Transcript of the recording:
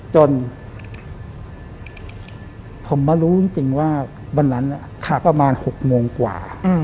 จนผมมารู้จริงว่าวันนั้นประมาณ๖โมงกว่า